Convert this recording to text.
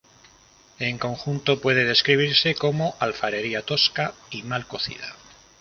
En conjunto puede describirse como alfarería tosca y mal cocida.